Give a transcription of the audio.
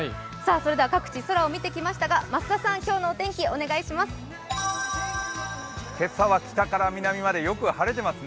それでは各地、空を見てきましたが増田さん、今日のお天気お願いします。